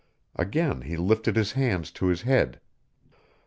Again he lifted his hands to his head.